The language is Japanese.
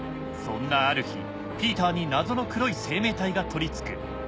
そんなある日ピーターに謎の黒い生命体が取りつく。